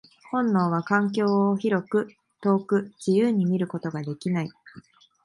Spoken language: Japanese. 本能は環境を広く、遠く、自由に見ることができない。